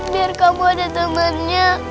biar kamu ada temannya